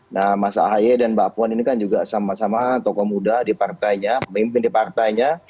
nah mas ahaye dan mbak puan ini kan juga sama sama tokoh muda di partainya pemimpin di partainya